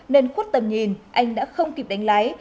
nên khuất tầm nhìn anh đã không kịp đánh lái